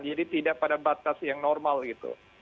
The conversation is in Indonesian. jadi tidak pada batas yang normal gitu